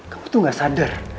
kamu tuh gak sadar